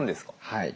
はい。